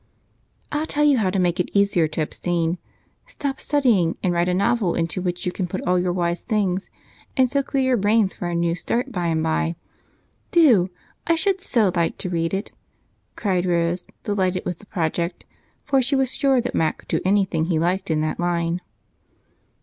"I'll tell you how to make it easier to abstain. Stop studying and write a novel into which you can put all your wise things, and so clear your brains for a new start by and by. Do I should so like to read it," cried Rose, delighted with the project, for she was sure Mac could do anything he liked in that line.